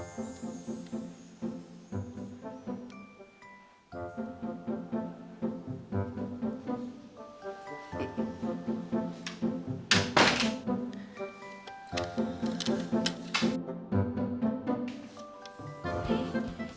buat bukit bukit kan